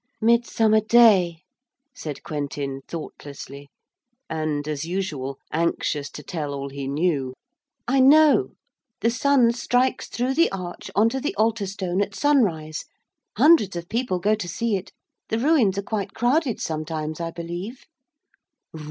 'Midsummer Day,' said Quentin thoughtlessly and, as usual, anxious to tell all he knew. 'I know. The sun strikes through the arch on to the altar stone at sunrise. Hundreds of people go to see it: the ruins are quite crowded sometimes, I believe.'